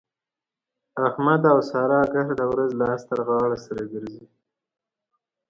احمد او سارا ګرده ورځ لاس تر غاړه سره ګرځي.